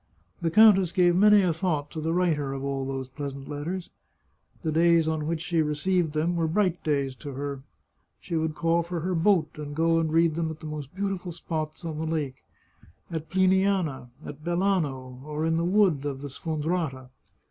The countess gave many a thought to the writer of all those pleasant letters. The days on which she received them were bright days to her. She would call for her boat, and go and read them at the most beautiful spots on the lake — at Pliniana, at Belano, or in the wood of the Sfon drata.